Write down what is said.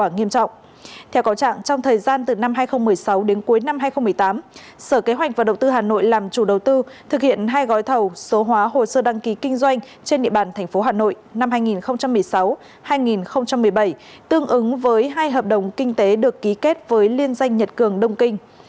theo có trạng trong thời gian từ năm hai nghìn một mươi sáu đến cuối năm hai nghìn một mươi tám sở kế hoạch và đầu tư hà nội làm chủ đầu tư thực hiện hai gói thầu số hóa hồ sơ đăng ký kinh doanh trên địa bàn tp hà nội năm hai nghìn một mươi sáu hai nghìn một mươi bảy tương ứng với hai hợp đồng kinh tế được ký kết với liên danh nhật cường đông kinh